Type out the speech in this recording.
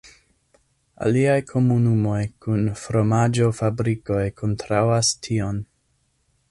Aliaj komunumoj kun fromaĝo-fabrikoj kontraŭas tion.